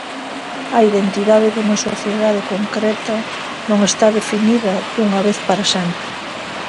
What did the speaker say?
A identidade dunha sociedade concreta non está definida dunha vez para sempre.